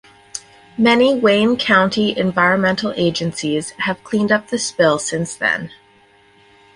Many Wayne County environmental agencies have cleaned up the spill since then.